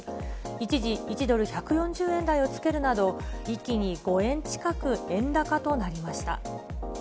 一時１ドル１４０円台をつけるなど、一気に５円近く円高となりました。